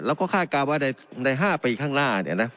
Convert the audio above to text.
เราก็คาดการณ์ว่าในในห้าปีข้างหน้าเนี่ยนะ